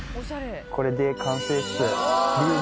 これで完成っす。